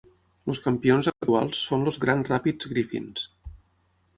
Els campions actuals són els Grand Rapids Griffins.